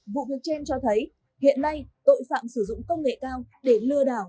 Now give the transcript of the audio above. vụ việc trên cho thấy hiện nay tội phạm sử dụng công nghệ cao để lừa đảo